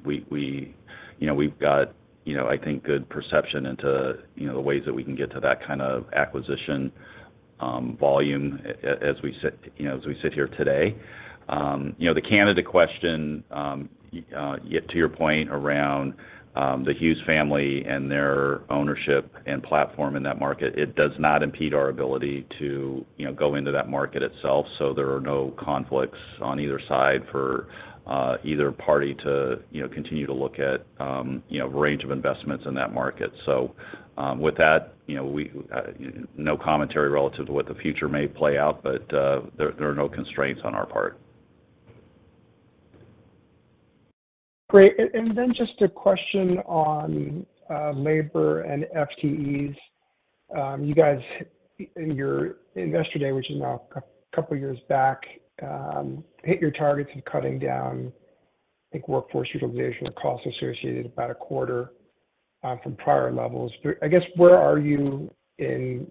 we. You know, we've got, you know, I think, good perception into, you know, the ways that we can get to that kind of acquisition, volume, as we sit, you know, as we sit here today. You know, the Canada question, get to your point around, the Hughes family and their ownership and platform in that market, it does not impede our ability to, you know, go into that market itself. There are no conflicts on either side for either party to, you know, continue to look at a range of investments in that market. With that, you know, we no commentary relative to what the future may play out, but there are no constraints on our part. Great. Then just a question on labor and FTEs. You guys, in your Investor Day, which is now a couple of years back, hit your targets in cutting down, I think, workforce utilization or costs associated about a quarter from prior levels. But I guess, where are you in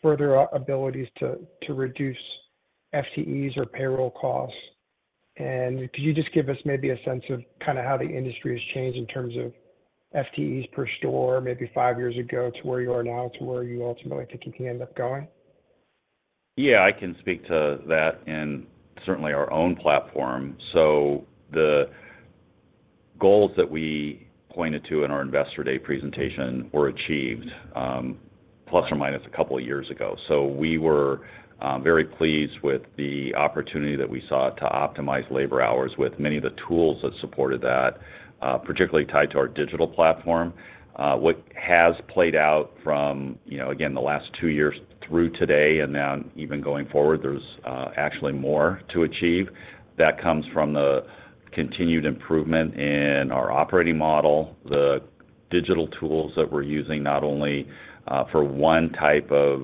further abilities to reduce FTEs or payroll costs? And could you just give us maybe a sense of kind of how the industry has changed in terms of FTEs per store, maybe five years ago, to where you are now, to where you ultimately think you can end up going? Yeah, I can speak to that in certainly our own platform. So the goals that we pointed to in our Investor Day presentation were achieved, ± a couple of years ago. So we were very pleased with the opportunity that we saw to optimize labor hours with many of the tools that supported that, particularly tied to our digital platform. What has played out from, you know, again, the last two years through today, and now even going forward, there's actually more to achieve. That comes from the continued improvement in our operating model, the digital tools that we're using not only for one type of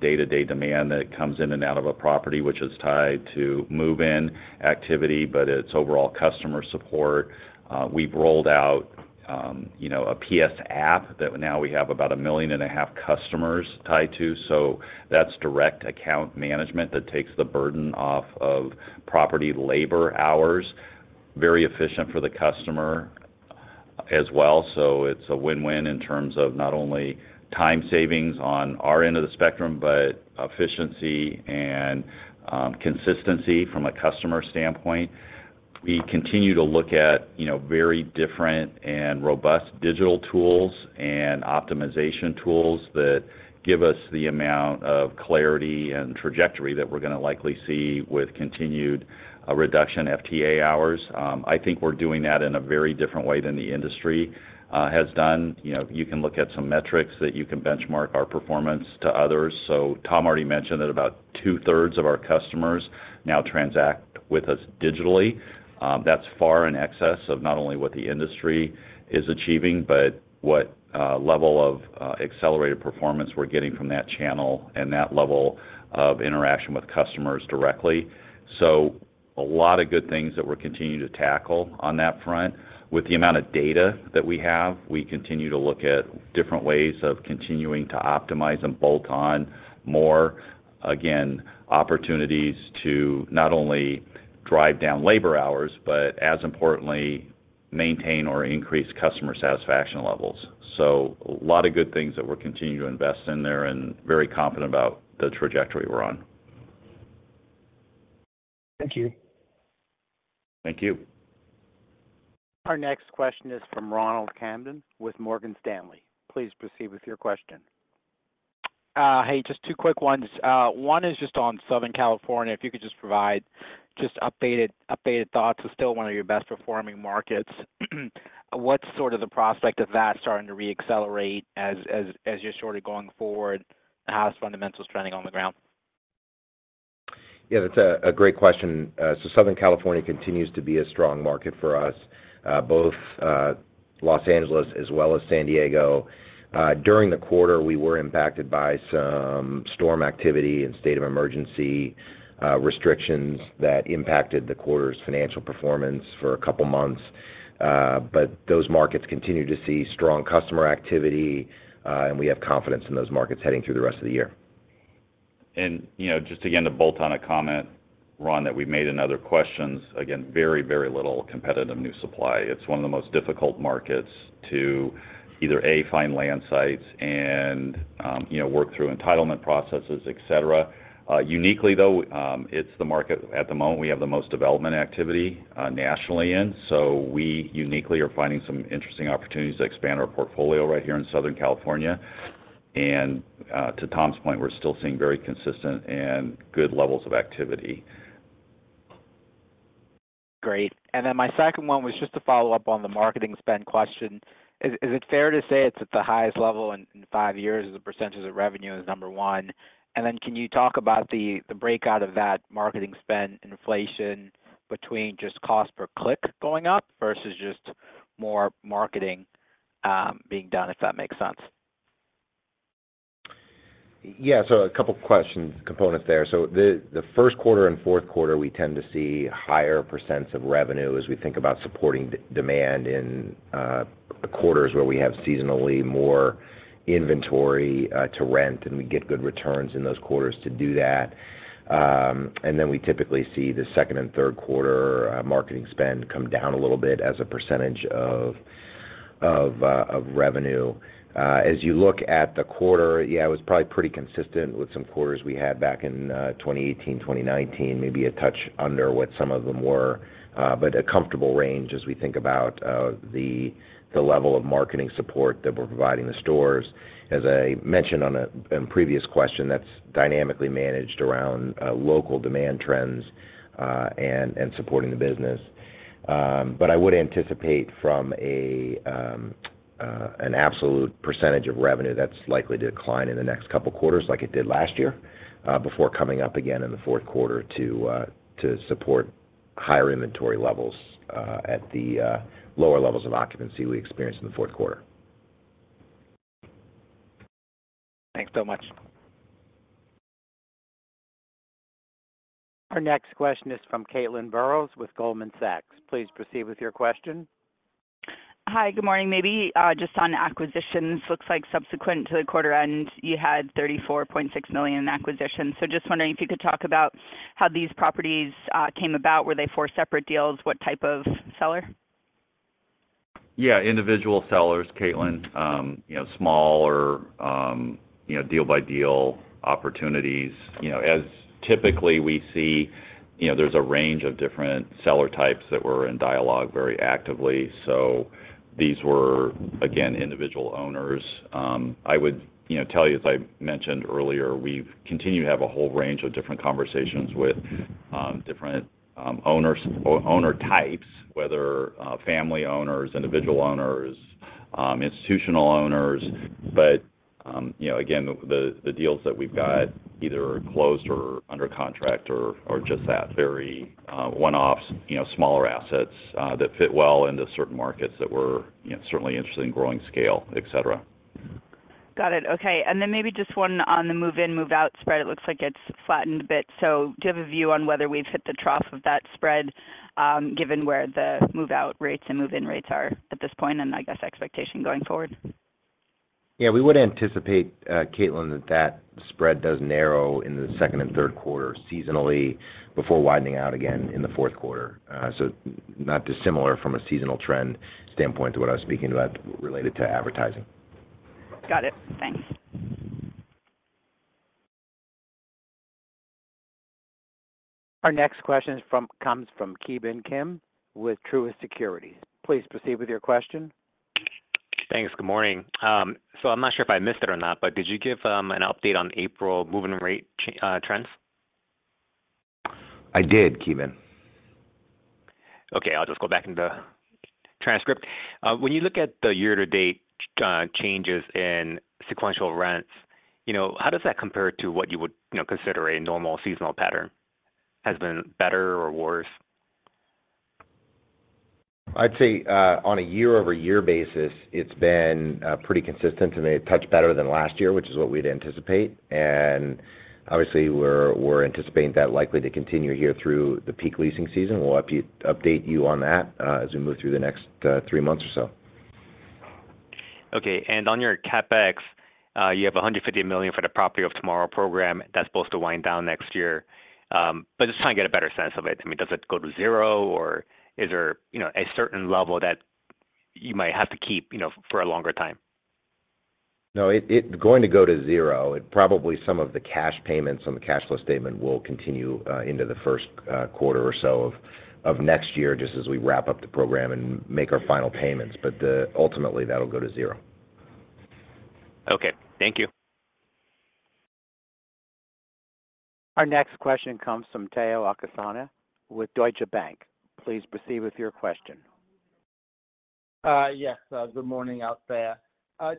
day-to-day demand that comes in and out of a property, which is tied to move-in activity, but it's overall customer support. We've rolled out, you know, a PS App that now we have about 1.5 million customers tied to, so that's direct account management that takes the burden off of property labor hours, very efficient for the customer as well. So it's a win-win in terms of not only time savings on our end of the spectrum, but efficiency and consistency from a customer standpoint. We continue to look at, you know, very different and robust digital tools and optimization tools that give us the amount of clarity and trajectory that we're gonna likely see with continued reduction in FTE hours. I think we're doing that in a very different way than the industry has done. You know, you can look at some metrics that you can benchmark our performance to others. So Tom already mentioned that about two-thirds of our customers now transact with us digitally. That's far in excess of not only what the industry is achieving, but what level of accelerated performance we're getting from that channel and that level of interaction with customers directly. So a lot of good things that we're continuing to tackle on that front. With the amount of data that we have, we continue to look at different ways of continuing to optimize and bolt on more, again, opportunities to not only drive down labor hours, but as importantly, maintain or increase customer satisfaction levels. So a lot of good things that we're continuing to invest in there and very confident about the trajectory we're on. Thank you. Thank you. Our next question is from Ronald Kamdem with Morgan Stanley. Please proceed with your question. Hey, just two quick ones. One is just on Southern California. If you could just provide updated thoughts. It's still one of your best-performing markets. What's sort of the prospect of that starting to re-accelerate as you're sort of going forward? How's fundamentals trending on the ground? Yeah, that's a great question. So Southern California continues to be a strong market for us, both Los Angeles as well as San Diego. During the quarter, we were impacted by some storm activity and state of emergency restrictions that impacted the quarter's financial performance for a couple of months. But those markets continue to see strong customer activity, and we have confidence in those markets heading through the rest of the year. You know, just again, to bolt on a comment, Ron, that we made in other questions, again, very, very little competitive new supply. It's one of the most difficult markets to either, A, find land sites and, you know, work through entitlement processes, et cetera. Uniquely, though, it's the market at the moment we have the most development activity nationally in. So we uniquely are finding some interesting opportunities to expand our portfolio right here in Southern California. And, to Tom's point, we're still seeing very consistent and good levels of activity. Great. And then my second one was just to follow up on the marketing spend question. Is it fair to say it's at the highest level in five years as a percentage of revenue as number one? And then can you talk about the breakout of that marketing spend inflation between just cost per click going up versus just more marketing being done, if that makes sense? Yeah. So a couple questions, components there. So the first quarter and fourth quarter, we tend to see higher percents of revenue as we think about supporting demand in quarters where we have seasonally more inventory to rent, and we get good returns in those quarters to do that. And then we typically see the second and third quarter marketing spend come down a little bit as a percentage of revenue. As you look at the quarter, yeah, it was probably pretty consistent with some quarters we had back in 2018, 2019, maybe a touch under what some of them were, but a comfortable range as we think about the level of marketing support that we're providing the stores. As I mentioned in previous question, that's dynamically managed around local demand trends and supporting the business. But I would anticipate from an absolute percentage of revenue, that's likely to decline in the next couple of quarters like it did last year before coming up again in the fourth quarter to support higher inventory levels at the lower levels of occupancy we experienced in the fourth quarter. Thanks so much. Our next question is from Caitlin Burrows with Goldman Sachs. Please proceed with your question. Hi, good morning. Maybe, just on acquisitions, looks like subsequent to the quarter end, you had $34.6 million in acquisitions. So just wondering if you could talk about how these properties, came about. Were they four separate deals? What type of seller? Yeah, individual sellers, Caitlin. You know, smaller, you know, deal-by-deal opportunities. You know, as typically we see, you know, there's a range of different seller types that were in dialogue very actively. So these were, again, individual owners. I would, you know, tell you, as I mentioned earlier, we've continued to have a whole range of different conversations with, different, owners or owner types, whether, family owners, individual owners, institutional owners. But, you know, again, the, the deals that we've got either are closed or under contract or, or just that very, one-offs, you know, smaller assets, that fit well into certain markets that we're, you know, certainly interested in growing scale, et cetera. Got it. Okay. And then maybe just one on the move in, move out spread. It looks like it's flattened a bit. So do you have a view on whether we've hit the trough of that spread, given where the move-out rates and move-in rates are at this point, and I guess, expectation going forward? Yeah, we would anticipate, Caitlin, that that spread does narrow in the second and third quarter seasonally before widening out again in the fourth quarter. So not dissimilar from a seasonal trend standpoint to what I was speaking about related to advertising. Got it. Thanks. Our next question comes from Ki Bin Kim with Truist Securities. Please proceed with your question. Thanks. Good morning. So I'm not sure if I missed it or not, but did you give an update on April move-in rate trends? I did, Ki Bin. Okay, I'll just go back into the transcript. When you look at the year-to-date, changes in sequential rents, you know, how does that compare to what you would, you know, consider a normal seasonal pattern? Has it been better or worse? I'd say, on a year-over-year basis, it's been, pretty consistent and a touch better than last year, which is what we'd anticipate. And obviously, we're anticipating that likely to continue here through the peak leasing season. We'll update you on that, as we move through the next three months or so. Okay. And on your CapEx, you have $150 million for the Property of Tomorrow program. That's supposed to wind down next year. But just trying to get a better sense of it. I mean, does it go to zero, or is there, you know, a certain level that you might have to keep, you know, for a longer time? No, it, it's going to go to zero. It probably some of the cash payments on the cash flow statement will continue into the first quarter or so of next year, just as we wrap up the program and make our final payments. But ultimately, that'll go to zero. Okay. Thank you. Our next question comes from Tayo Okusanya with Deutsche Bank. Please proceed with your question. Yes, good morning out there.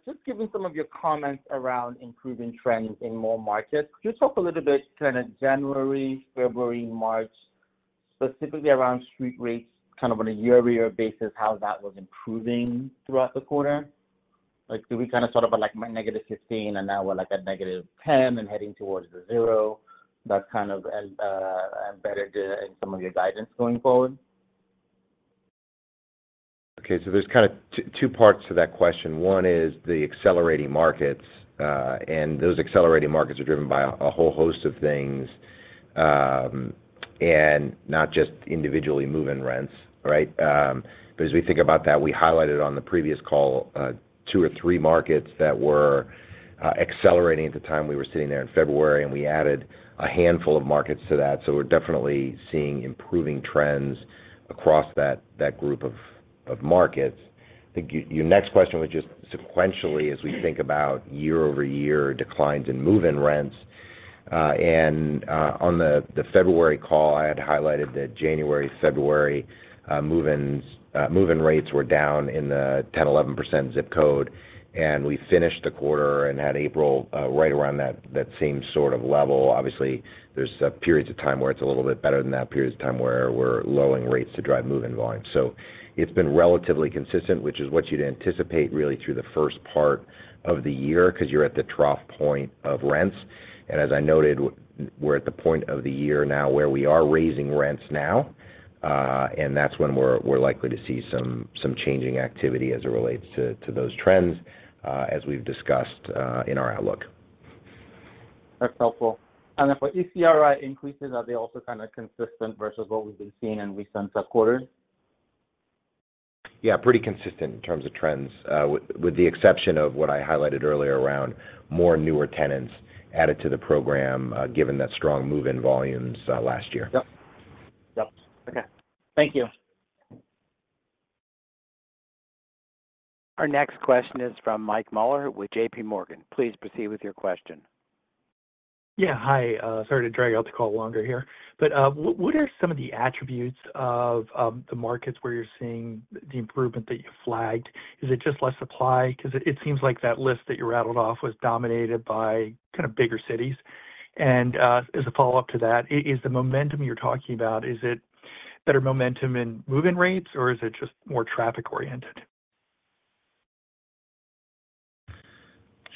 Just given some of your comments around improving trends in more markets, could you talk a little bit kind of January, February, March, specifically around street rates, kind of on a year-over-year basis, how that was improving throughout the quarter? Like, do we kind of sort of like -15, and now we're like at -10 and heading towards the 0, that's kind of embedded in some of your guidance going forward? Okay, so there's kind of two parts to that question. One is the accelerating markets, and those accelerating markets are driven by a whole host of things, and not just individually move-in rents, right? But as we think about that, we highlighted on the previous call two or three markets that were accelerating at the time we were sitting there in February, and we added a handful of markets to that. So we're definitely seeing improving trends across that group of markets. I think your next question was just sequentially, as we think about year-over-year declines in move-in rents. And on the February call, I had highlighted that January, February move-ins, move-in rates were down in the 10-11% zip code, and we finished the quarter and had April right around that same sort of level. Obviously, there's periods of time where it's a little bit better than that, periods of time where we're lowering rates to drive move-in volume. So it's been relatively consistent, which is what you'd anticipate really through the first part of the year, 'cause you're at the trough point of rents. And as I noted, we're at the point of the year now where we are raising rents now, and that's when we're likely to see some changing activity as it relates to those trends, as we've discussed, in our outlook. That's helpful. And then for ECRI increases, are they also kind of consistent versus what we've been seeing in recent quarters? Yeah, pretty consistent in terms of trends. With the exception of what I highlighted earlier around more newer tenants added to the program, given the strong move-in volumes last year. Yep. Yep. Okay. Thank you. Our next question is from Michael Mueller with JP Morgan. Please proceed with your question. Yeah. Hi, sorry to drag out the call longer here, but, what are some of the attributes of, the markets where you're seeing the improvement that you flagged? Is it just less supply? 'Cause it seems like that list that you rattled off was dominated by kind of bigger cities. And, as a follow-up to that, is the momentum you're talking about, is it better momentum in move-in rates, or is it just more traffic oriented?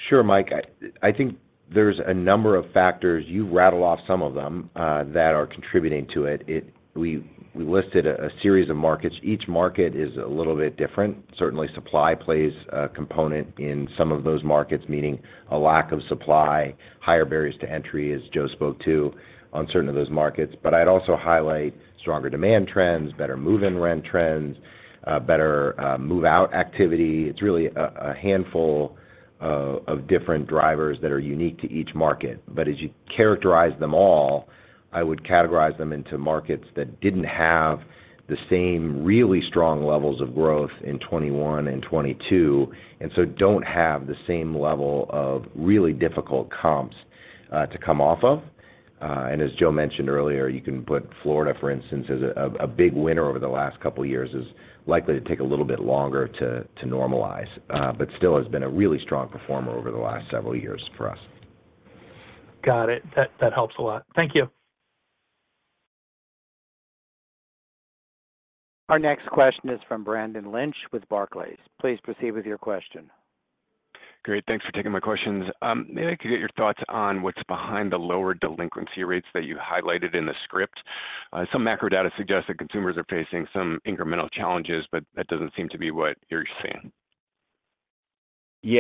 Sure, Mike. I think there's a number of factors. You rattled off some of them that are contributing to it. We listed a series of markets. Each market is a little bit different. Certainly, supply plays a component in some of those markets, meaning a lack of supply, higher barriers to entry, as Joe spoke to, on certain of those markets. But I'd also highlight stronger demand trends, better move-in rent trends, better move-out activity. It's really a handful of different drivers that are unique to each market. But as you characterize them all, I would categorize them into markets that didn't have the same really strong levels of growth in 2021 and 2022, and so don't have the same level of really difficult comps to come off of. As Joe mentioned earlier, you can put Florida, for instance, as a big winner over the last couple of years, is likely to take a little bit longer to normalize, but still has been a really strong performer over the last several years for us. Got it. That, that helps a lot. Thank you. Our next question is from Brendan Lynch with Barclays. Please proceed with your question. Great. Thanks for taking my questions. Maybe I could get your thoughts on what's behind the lower delinquency rates that you highlighted in the script. Some macro data suggests that consumers are facing some incremental challenges, but that doesn't seem to be what you're seeing.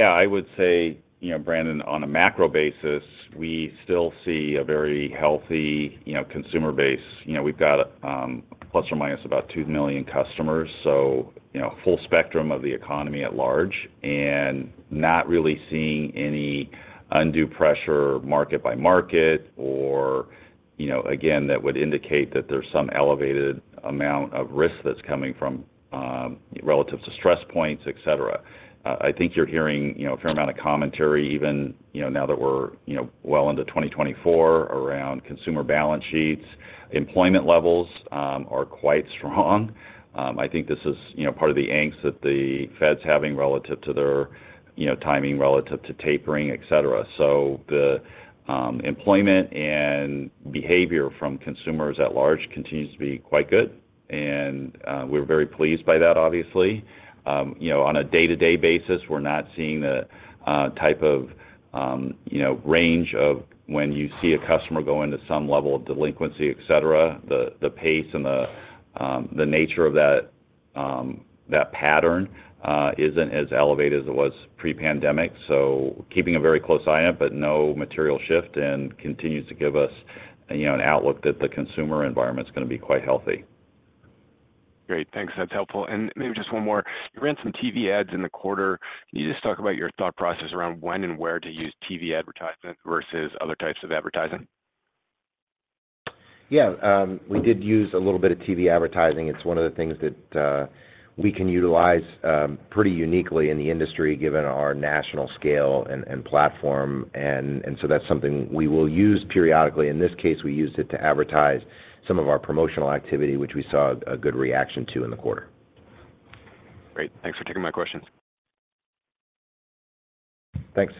I would say Brendan, on a macro basis, we still see a very healthy, you know, consumer base. We've got, ± about 2 million customers, so, you know, full spectrum of the economy at large, and not really seeing any undue pressure market by market, or, you know, again, that would indicate that there's some elevated amount of risk that's coming from, relative to stress points, et cetera. I think you're hearing, you know, a fair amount of commentary even, you know, now that we're, you know, well into 2024, around consumer balance sheets. Employment levels, are quite strong. I think this is, you know, part of the angst that the Fed's having relative to their, you know, timing relative to tapering, et cetera. So the employment and behavior from consumers at large continues to be quite good, and we're very pleased by that, obviously. You know, on a day-to-day basis, we're not seeing the type of you know, range of when you see a customer go into some level of delinquency, et cetera. The pace and the nature of that that pattern isn't as elevated as it was pre-pandemic, so keeping a very close eye on it, but no material shift, and continues to give us you know, an outlook that the consumer environment's gonna be quite healthy. Great. Thanks. That's helpful. Maybe just one more: you ran some TV ads in the quarter. Can you just talk about your thought process around when and where to use TV advertisement versus other types of advertising? Yeah, we did use a little bit of TV advertising. It's one of the things that we can utilize pretty uniquely in the industry, given our national scale and so that's something we will use periodically. In this case, we used it to advertise some of our promotional activity, which we saw a good reaction to in the quarter. Great. Thanks for taking my questions. Thanks.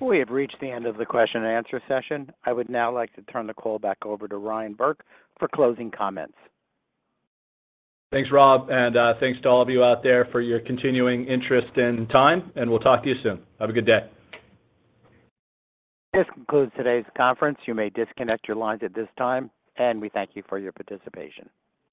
We have reached the end of the question and answer session. I would now like to turn the call back over to Ryan Burke for closing comments. Thanks, Rob, and, thanks to all of you out there for your continuing interest and time, and we'll talk to you soon. Have a good day. This concludes today's conference. You may disconnect your lines at this time, and we thank you for your participation.